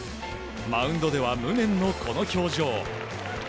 マウンドでは無念のこの表情。